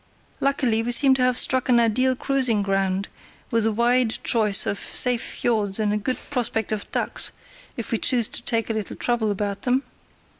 Luckily, we seem to have struck an ideal cruising ground, with a wide choice of safe fiords and a good prospect of ducks, if we choose to take a little trouble about them.